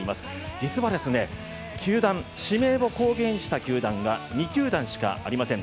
実は、指名を公言した球団が２球団しかありません。